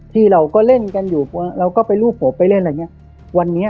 ที่เราก็เล่นกันอยู่เราก็ไปรูปผมไปเล่นอะไรอย่างเงี้ยวันนี้